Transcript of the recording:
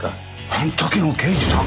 あん時の刑事さん？